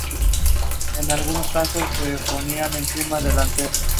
Es igual a la que tiene el Sol.